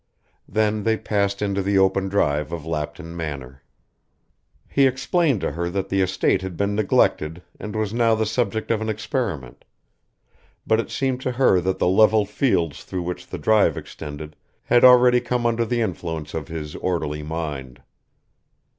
Then they passed into the open drive of Lapton Manor. He explained to her that the estate had been neglected and was now the subject of an experiment; but it seemed to her that the level fields through which the drive extended had already come under the influence of his orderly mind.